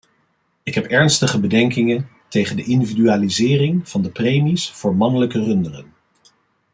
Ik heb ernstige bedenkingen tegen de individualisering van de premies voor mannelijke runderen.